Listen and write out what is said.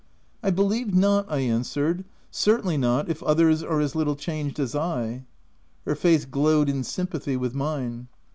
" I believe not," I answered —" Certainly not, if others are as little changed as I." Her face glowed in sympathy with mine.